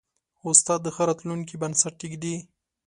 استاد د ښه راتلونکي بنسټ ایږدي.